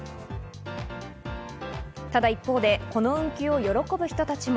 ただ一方で、この運休を喜ぶ人たちも。